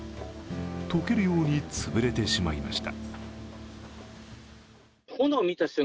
溶ける様に潰れてしまいました。